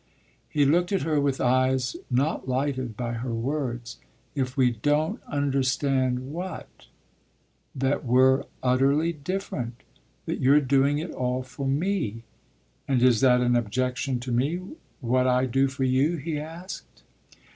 He looked at her with eyes not lighted by her words. "If we don't understand what?" "That we're utterly different that you're doing it all for me." "And is that an objection to me what I do for you?" he asked.